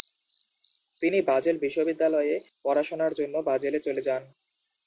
তিনি বাজেল বিশ্ববিদ্যালয়ে পড়াশোনার জন্য বাজেলে চলে যান।